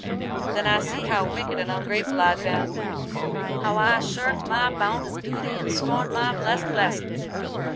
Then I see how wicked and ungrateful I'd been; how I'd shirked my bounden duty and scorned my best blessins.